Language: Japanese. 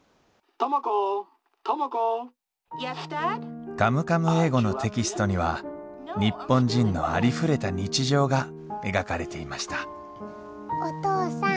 「Ｙｅｓ，Ｄａｄ．」「カムカム英語」のテキストには日本人のありふれた日常が描かれていましたお父さん。